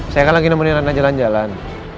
saya kan lagi nemenin reina jalan jalan